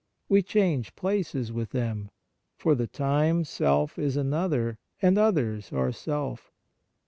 We change places with them. For the time self is another, and others are self.